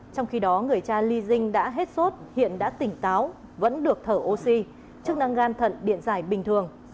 trong khi đó người cha ly dinh đã hết sốt hiện đã tỉnh táo vẫn được thở oxy chức năng gan thận điện giải bình thường